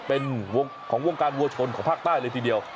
เป็นวงการวัวชนของภาคใต้เลยทีเดียว